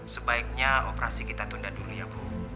sebaiknya operasi kita tunda dulu ya bu